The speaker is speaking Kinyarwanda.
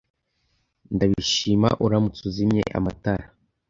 Ndabishima uramutse uzimye amatara.